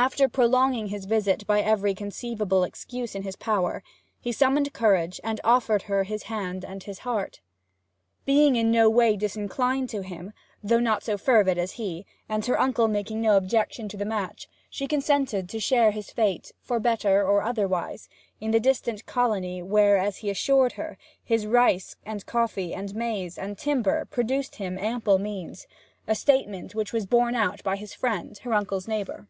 After prolonging his visit by every conceivable excuse in his power, he summoned courage, and offered her his hand and his heart. Being in no way disinclined to him, though not so fervid as he, and her uncle making no objection to the match, she consented to share his fate, for better or otherwise, in the distant colony where, as he assured her, his rice, and coffee, and maize, and timber, produced him ample means a statement which was borne out by his friend, her uncle's neighbour.